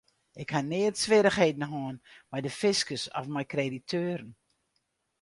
Ik ha nea swierrichheden hân mei de fiskus of mei krediteuren.